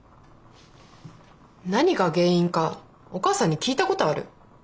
何が原因かお母さんに聞いたことある？